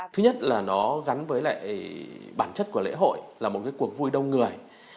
thứ nhất là nó gắn với lại bản chất của lễ hội là một cuộc vui đông người